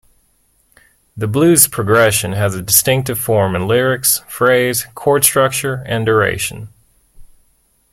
The blues progression has a distinctive form in lyrics, phrase, chord structure, and duration.